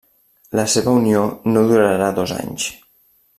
La seva unió no durarà dos anys.